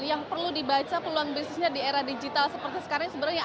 bagi yang entrepreneur yang perlu dibaca peluang bisnisnya di era digital seperti sekarang